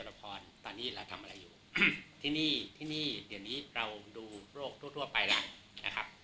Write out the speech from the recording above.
ละครตอนนี้เราทำอะไรอยู่ที่นี่ที่นี่เดี๋ยวนี้เราดูโรคทั่วไปล่ะนะครับ